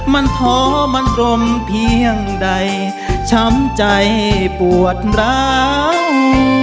มันท้อมันรมเพียงใดช้ำใจปวดร้าว